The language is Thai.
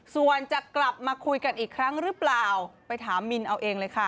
ส่วนจะกลับมาคุยกันอีกครั้งหรือเปล่าไปถามมินเอาเองเลยค่ะ